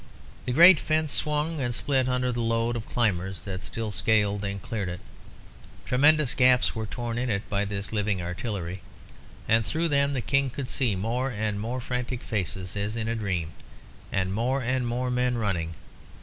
The great fence swung and split under the load of climbers that still scaled and cleared it. Tremendous gaps were torn in it by this living artillery; and through them the King could see more and more frantic faces, as in a dream, and more and more men running.